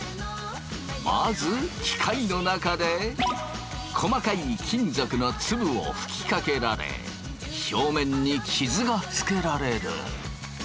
まず機械の中で細かい金属の粒を吹きかけられ表面に傷がつけられる。